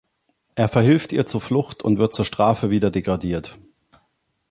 Er verhilft ihr zur Flucht und wird zur Strafe wieder degradiert.